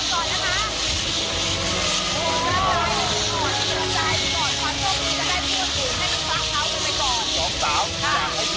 โกยไปก่อนล่ะค่ะ